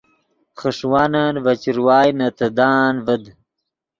خݰوانن ڤے چروائے نے تیدان ڤد